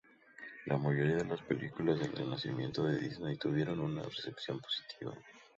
La mayoría de las películas del renacimiento de Disney tuvieron una recepción positiva.